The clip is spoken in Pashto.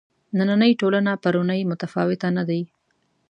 نننۍ ټولنه پرونۍ متفاوته نه دي.